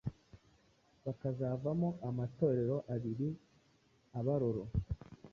bakazamo amatorero abiri abaroro :